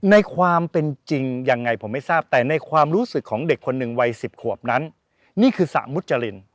ในความเป็นจริงยังไงผมไม่ทราบแต่ในความรู้สึกของเด็กคนหนึ่งวัย๑๐ขวบนั้นนี่คือสระมุจริน